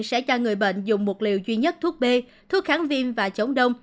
sẽ cho người bệnh dùng một liều duy nhất thuốc b thuốc kháng viêm và chống đông